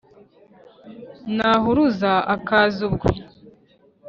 Nahuruza akaza ubwo